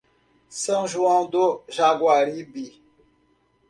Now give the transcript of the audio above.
São João do Jaguaribe